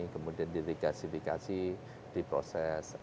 kemudian di regasifikasi diproses